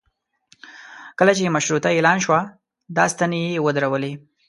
کله چې مشروطه اعلان شوه دا ستنې یې ودرولې.